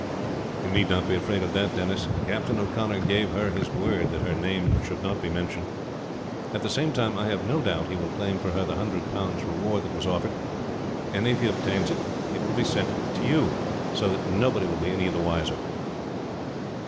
"You need not be afraid of that, Denis. Captain O'Connor gave her his word that her name should not be mentioned. At the same time I have no doubt he will claim for her the hundred pounds reward that was offered; and if he obtains it he will send it to you, so that nobody will be any the wiser."